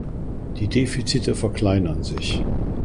Die Defizite verkleinern sich.